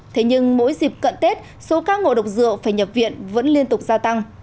thế nhưng mỗi dịp cận tết số các ngộ độc rượu phải nhập viện vẫn liên tục gia tăng